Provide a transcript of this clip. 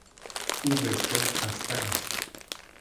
او بسیار خسته است.